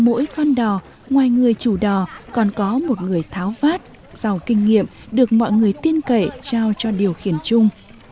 ở mỗi con đò ngoài người chủ đò còn có một người tháo vát giàu kinh nghiệm được mọi người tiên kể trao cho điều khiển chung